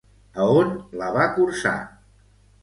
A on la va cursar?